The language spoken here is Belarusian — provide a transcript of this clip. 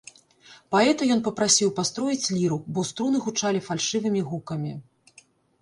Паэта ён папрасіў пастроіць ліру, бо струны гучалі фальшывымі гукамі.